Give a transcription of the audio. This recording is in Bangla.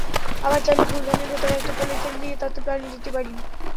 আবার চাইলে ফুলদানির ভেতরে একটা পলিথিন দিয়ে তাতে পানি দিতে পারেন।